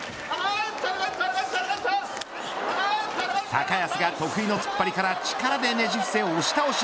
高安が得意の突っ張りから力でねじ伏せ押し倒し。